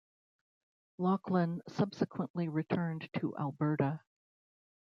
Lauchlan subsequently returned to Alberta.